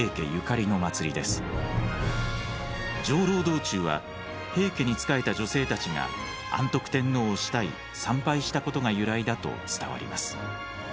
道中は平家に仕えた女性たちが安徳天皇を慕い参拝したことが由来だと伝わります。